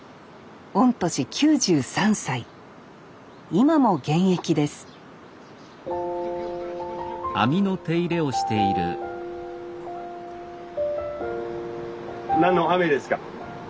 御年９３歳今も現役です何の網ですか？